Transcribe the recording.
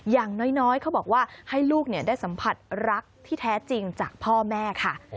อย่างน้อยเขาบอกว่าให้ลูกได้สัมผัสรักที่แท้จริงจากพ่อแม่ค่ะ